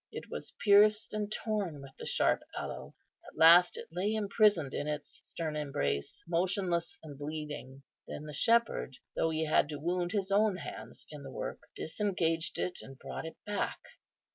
It was pierced and torn with the sharp aloe; at last it lay imprisoned in its stern embrace, motionless and bleeding. Then the Shepherd, though He had to wound His own hands in the work, disengaged it, and brought it back.